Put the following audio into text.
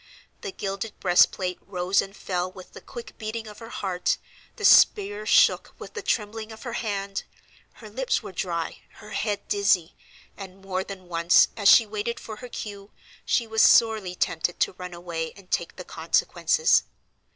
The gilded breast plate rose and fell with the quick beating of her heart, the spear shook with the trembling of her hand, her lips were dry, her head dizzy, and more than once, as she waited for her cue, she was sorely tempted to run away and take the consequences.